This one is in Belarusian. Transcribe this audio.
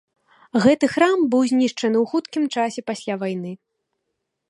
Гэты храм быў знішчаны ў хуткім часе пасля вайны.